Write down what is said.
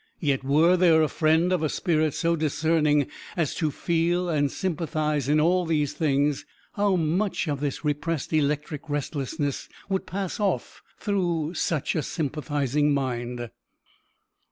Yet were there a friend of a spirit so discerning as to feel and sympathize in all these things, how much of this repressed electric restlessness would pass off through such a sympathizing mind.